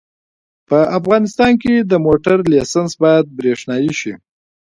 په افغانستان کې د موټر لېسنس باید برېښنایي شي